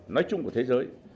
nói chung của thế giới